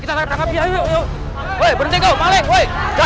kita tetapi ayo berhenti kau paling weh